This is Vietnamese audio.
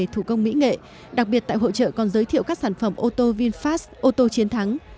thủ công mỹ nghệ đặc biệt tại hội trợ còn giới thiệu các sản phẩm ô tô vinfast ô tô chiến thắng